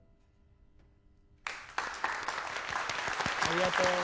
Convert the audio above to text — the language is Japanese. ありがとう。